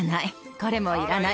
これもいらない